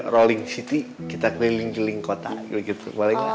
rolling city kita keliling keliling kota gitu gitu boleh nggak